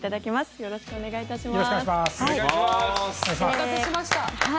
よろしくお願いします。